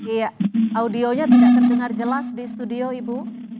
iya audionya tidak terdengar jelas di studio ibu